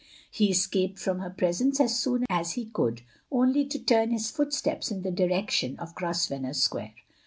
He escaped from her presence as soon as he could, only to turn his footsteps in the direction of Grosvenor Square.